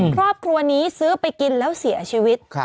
ครอบครัวนี้ซื้อไปกินแล้วเสียชีวิต